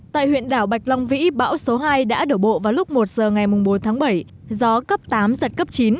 tại huyện đảo bạch long vĩ bão số hai đã đổ bộ vào lúc một giờ ngày bốn tháng bảy gió cấp tám giật cấp chín